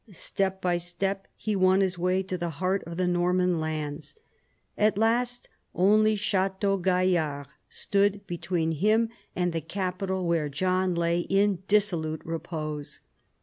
Step by step he won his way to the heart of the Norman lands. At last only Chateau Gaillard stood between him and the capital where John lay in dissolute repose.